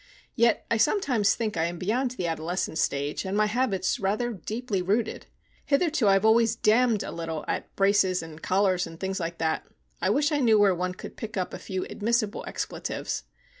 Yet I sometimes think I am beyond the adolescent stage, and my habits rather deeply rooted. Hitherto, I have always damned a little at braces and collars and things like that. I wish I knew where one could pick up a few admissible expletives.